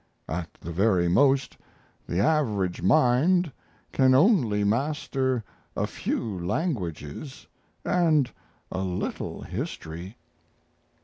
At the very most, the average mind can only master a few languages and a little history."